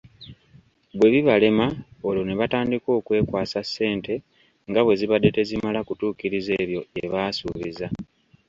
Bwe bibalema olwo nebatandika okwekwasa ssente nga bwezibadde tezimala kutuukiriza ebyo byebaasuubiza,